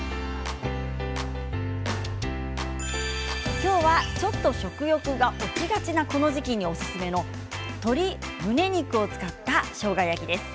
今日はちょっと食欲が落ちがちなこの時期におすすめの鶏むね肉を使ったしょうが焼きです。